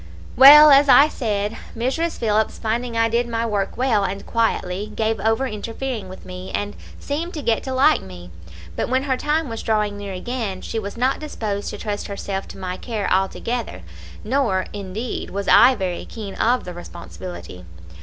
"Well, as I said, Mrs. Phillips, finding I did my work well and quietly, gave over interfering with me, and seemed to get to like me; but when her time was drawing near again, she was not disposed to trust herself to my care altogether, nor, indeed, was I very keen of the responsibility.